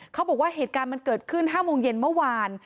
เขาบอกว่าเหตุการณ์มันเกิดขึ้น๕โมงเย็นเมื่อวาน